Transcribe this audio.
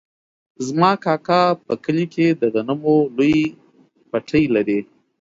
زما کاکا په کلي کې د غنمو لوی پټی لري.